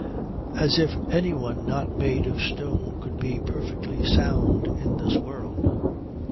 As if anyone not made of stone could be perfectly sound in this world.